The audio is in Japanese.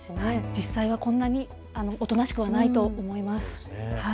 実際はこんなにおとなしくないと思います。